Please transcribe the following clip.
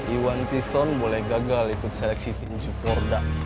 iwan tison boleh gagal ikut seleksi tim jogor